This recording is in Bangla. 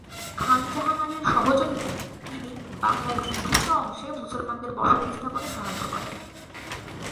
খান জাহান আলীর সহযোগিতায় তিনি বাংলার বিভিন্ন অংশে মুসলমানদের বসতি স্থাপনে সাহায্য করেন।